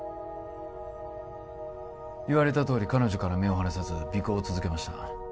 言われたとおり彼女から目を離さず尾行を続けました